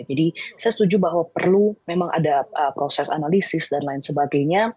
saya setuju bahwa perlu memang ada proses analisis dan lain sebagainya